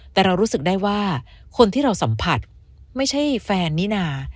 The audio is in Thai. แต่เรารู้สึกได้ว่าคนที่เราสัมผัสไม่ใช่แฟนนี่นา